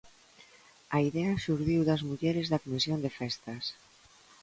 A idea xurdiu das mulleres da comisión de festas.